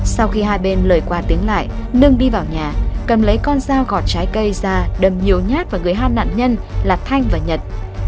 sau khi hai bên lời qua tiếng lại nương đi vào nhà cầm lấy con dao gọt trái cây ra đâm nhiều nhát vào người hai nạn nhân là thanh và nhật